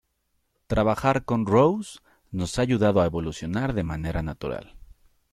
Trabajar con Ross nos ha ayudado a evolucionar de manera natural.